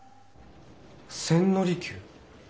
千利休。